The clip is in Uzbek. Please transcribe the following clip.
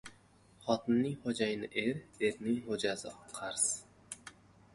• Xotinning xo‘jayini ― er, erning xo‘jasi ― qarz.